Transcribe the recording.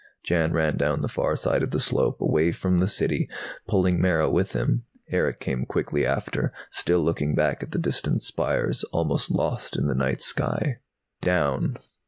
_" Jan ran, down the far side of the slope, away from the City, pulling Mara with him. Erick came quickly after, still looking back at the distant spires, almost lost in the night sky. "Down."